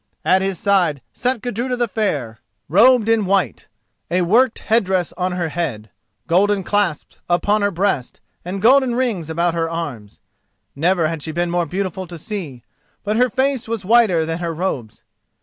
At his side sat Gudruda the Fair, robed in white, a worked head dress on her head, golden clasps upon her breast and golden rings about her arms. Never had she been more beautiful to see; but her face was whiter than her robes.